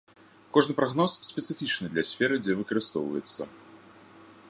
Кожны прагноз спецыфічны для сферы дзе выкарыстоўваецца.